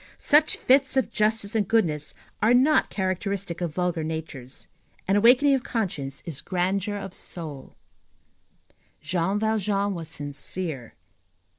Such fits of justice and goodness are not characteristic of vulgar natures. An awakening of conscience is grandeur of soul. Jean Valjean was sincere.